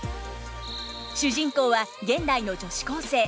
主人公は現代の女子高生。